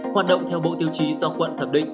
hoạt động theo bộ tiêu chí do quận thẩm định